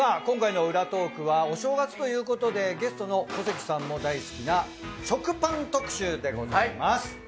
今回の裏トークはお正月ということでゲストの小関さんも大好きな食パン特集でございます。